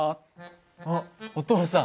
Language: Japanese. あっお父さん。